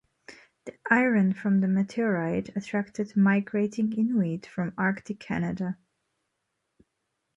The iron from the meteorite attracted migrating Inuit from Arctic Canada.